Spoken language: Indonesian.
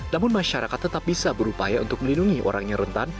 namun masyarakat tetap bisa berupaya untuk melindungi orang yang rentan